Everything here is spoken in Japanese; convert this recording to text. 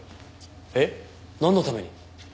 えっなんのために？